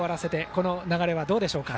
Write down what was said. この流れはどうでしょうか。